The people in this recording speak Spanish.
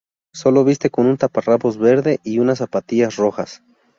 Solo viste con un taparrabos verde y unas zapatillas rojas.